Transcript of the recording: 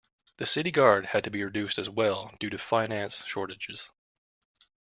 The city guard had to be reduced as well due to finance shortages.